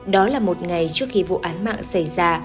đó là một ngày trước khi vụ án mạng xảy ra